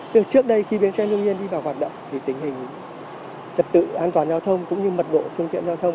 trước đây khi bến xe lương nhiên đi vào hoạt động thì tình hình trật tự an toàn giao thông cũng như mật bộ phương tiện giao thông